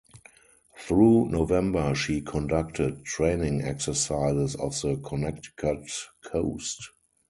Through November she conducted training exercises off the Connecticut coast.